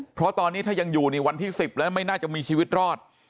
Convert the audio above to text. เพราะตอนนี้ถ้ายังอยู่นี่วันที่๑๐แล้วไม่น่าจะมีชีวิตรอด